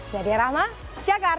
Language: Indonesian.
dari arama jakarta